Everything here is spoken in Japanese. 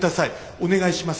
お願いします。